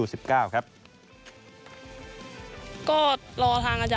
ก็รอทางอาจารย์ค่ะ